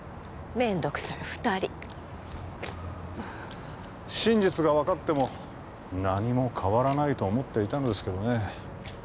めんどくさい２人真実が分かっても何も変わらないと思っていたのですけどね